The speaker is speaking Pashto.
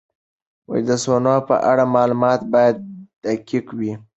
د سونا په اړه معلومات باید دقیق وي.